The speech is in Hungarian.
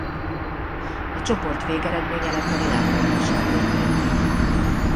A csoport végeredménye lett a világbajnokság végeredménye.